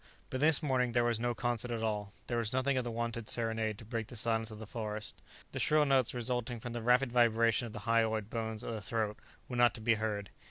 But this morning there was no concert at all. There was nothing of the wonted serenade to break the silence of the forest. The shrill notes resulting from the rapid vibration of the hyoid bones of the throat were not to be heard.